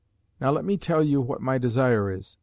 Now let me tell you what my desire is.